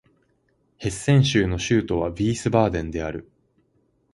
ヘッセン州の州都はヴィースバーデンである